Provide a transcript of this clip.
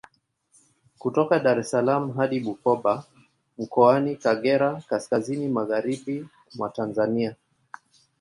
Kutoka Dar es salaam hadi Bukoba Mkoani Kagera kaskazini Magharibi mwa Tanzania